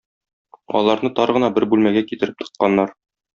Аларны тар гына бер бүлмәгә китереп тыкканнар.